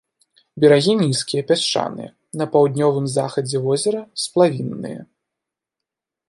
Берагі нізкія, пясчаныя, на паўднёвым захадзе возера сплавінныя.